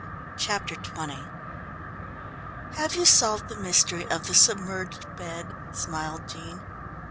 Chapter XX "Have you solved the mystery of the submerged bed?" smiled Jean.